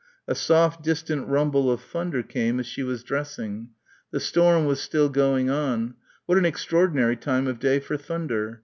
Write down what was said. A soft distant rumble of thunder came as she was dressing.... The storm was still going on ... what an extraordinary time of day for thunder